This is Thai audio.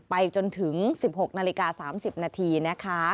ไปจนถึง๑๖นาฬิกา๓๐นาทีนะคะ